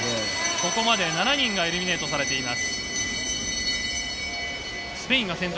ここまで７人がエリミネイトされています。